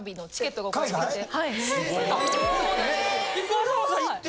わざわざ行って？